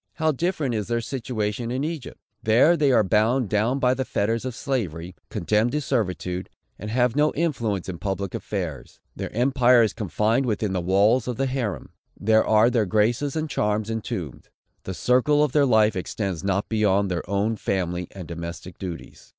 How different is their situation in Egypt! There they are bound down by the fetters of slavery, condemned to servitude, and have no influence in public affairs. Their empire is confined within the walls of the Harem. There are their graces and charms entombed. The circle of their life extends not beyond their own family and domestic duties.